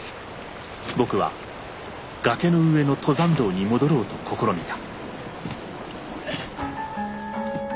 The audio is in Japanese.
僕は崖の上の登山道に戻ろうと試みた。